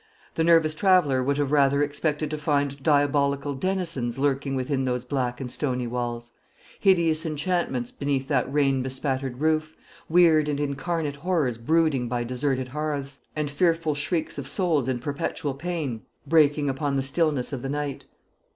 The nervous traveller would have rather expected to find diabolical denizens lurking within those black and stony walls; hideous enchantments beneath that rain bespattered roof; weird and incarnate horrors brooding by deserted hearths, and fearful shrieks of souls in perpetual pain breaking upon the stillness of the night.